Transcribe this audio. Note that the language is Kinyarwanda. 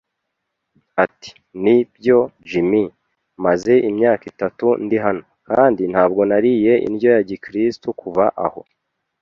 Ati: “Nibyo, Jim, maze imyaka itatu ndi hano, kandi ntabwo nariye indyo ya gikristo kuva aho